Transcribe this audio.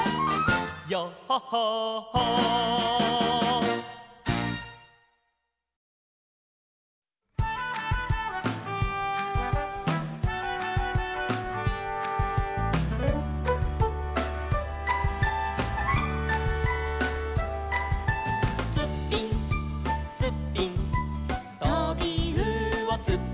「ヨッホッホッホー」「ツッピンツッピン」「とびうおツッピンピン」